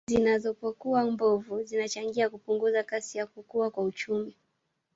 Zinazopokuwa mbovu zinachangia kupunguza kasi ya kukua kwa uchumi